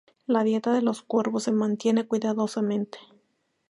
La dieta de los cuervos se mantiene cuidadosamente.